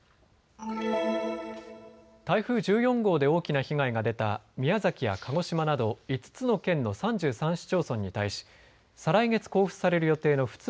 台風１４号で大きな被害が出た宮崎や鹿児島など５つの県の３３市町村に対し再来月交付される予定の普通